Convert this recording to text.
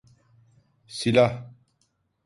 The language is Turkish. Silah!